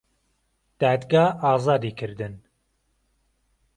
دادگا ئازادی کردن